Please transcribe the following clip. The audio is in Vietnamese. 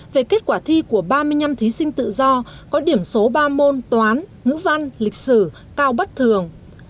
về kết quả thi của ba mươi năm thí sinh tự do có điểm số ba môn toán ngữ văn lịch sử cao bất thường